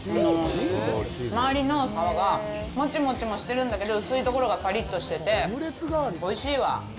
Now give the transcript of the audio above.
周りの皮が、モチモチもしてるんだけど、薄いところがパリッとしてて、おいしいわ！